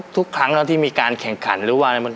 ทุกครั้งที่มีการแข่งขันหรือว่า